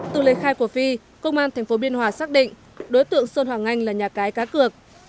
từ lời khai của phi công an tp biên hòa xác định đối tượng sơn hoàng anh là nhà cái cá cược